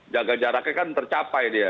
jadi jaraknya kan tercapai dia